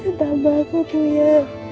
kau tambah aku tuh ya